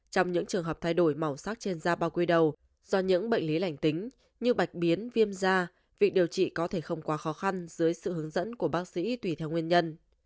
trong những trường hợp thay đổi màu sắc trên da bao quy đầu do những bệnh lý lành tính như bạch biến viêm da vị điều trị có thể không quá khó khăn dưới sự hướng dẫn của bác sĩ tùy theo nguyên nhân